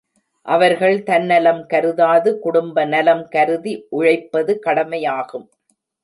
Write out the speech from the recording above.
அவர்கள் தன்னலம் கருதாது குடும்ப நலம் கருதி உழைப்பது கடமையாகும்.